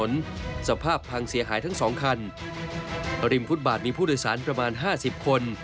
สภาพพังเสียหายทั้งสองคันริมฟุตบาทมีผู้โดยสารประมาณห้าสิบคน